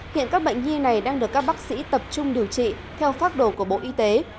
hiện các bệnh nhi này đang được các bác sĩ tập trung điều trị theo pháp đồ của bộ y tế